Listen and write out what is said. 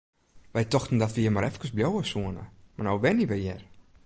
Wy tochten dat we hjir mar efkes bliuwe soene, mar no wenje we hjir!